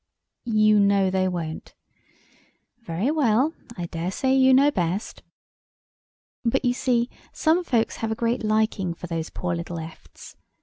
You know they won't? Very well, I daresay you know best. But you see, some folks have a great liking for those poor little efts.